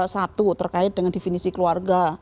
satu terkait dengan definisi keluarga